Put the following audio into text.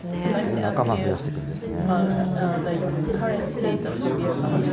仲間を増やしていくんですね。